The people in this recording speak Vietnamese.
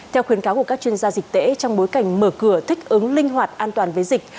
theo khuyến cáo của các chuyên gia dịch tễ trong bối cảnh mở cửa thích ứng linh hoạt an toàn với dịch